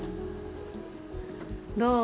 どう？